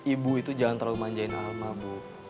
ibu itu jangan terlalu manjain alma bu